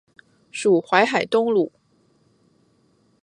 属淮南东路。